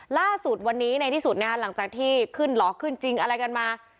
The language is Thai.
ล่าสุดวันนี้ในที่สุดนะฮะหลังจากที่ขึ้นหลอกขึ้นจริงอะไรกันมา